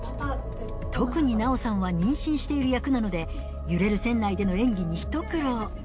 特に奈緒さんは妊娠している役なので揺れる船内での演技にひと苦労